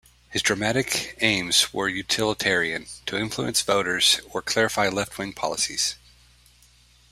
His dramatic aims were utilitarian - to influence voters or clarify left-wing policies.